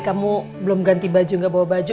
kamu belum ganti baju nggak bawa baju